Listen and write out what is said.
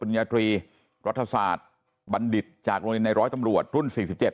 โรงยาธรีรัฐศาสตร์บัณฑิตจากโรงเรียนในร้อยตำรวจรุ่น๔๗